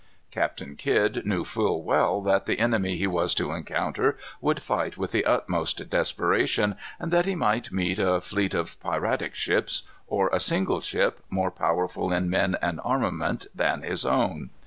Captain Kidd knew full well that the enemy he was to encounter would fight with the utmost desperation, and that he might meet a fleet of piratic ships, or a single ship, more powerful in men and armament than his own.